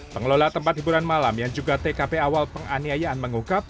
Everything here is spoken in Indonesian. pengelola tempat hiburan malam yang juga tkp awal penganiayaan mengungkap